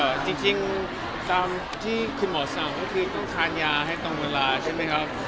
จริงจริงตามที่คุณหมอสั่งก็คือต้องทานยาให้ตรงเวลาใช่ไหมครับ